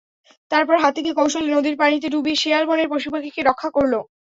তারপর হাতিকে কৌশলে নদীর পানিতে ডুবিয়ে শেয়াল বনের পশুপাখিকে রক্ষা করল।